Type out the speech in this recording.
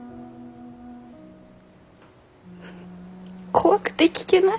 怖くて聞けない。